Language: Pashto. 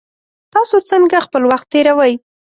تاسو څنګه خپل وخت تیروئ؟